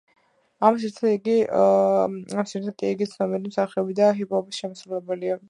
ამასთან ერთად კი იგი ცნობილი მსახიობი და ჰიპ-ჰოპ შემსრულებელია.